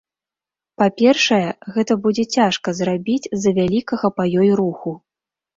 Па-першае, гэта будзе цяжка зрабіць з-за вялікага па ёй руху.